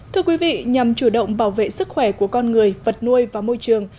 thưa quý vị nhằm chủ động bảo vệ sức khỏe của con người vật nuôi và môi trường